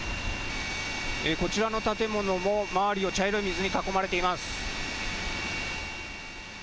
こちらの建物も周りを茶色い水に囲まれています。